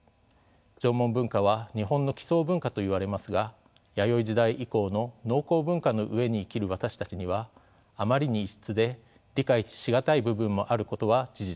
縄文文化は日本の基層文化といわれますが弥生時代以降の農耕文化の上に生きる私たちにはあまりに異質で理解し難い部分もあることは事実です。